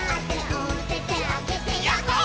「おててあげてヤッホー」